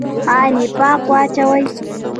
آیا نفاق واچوي؟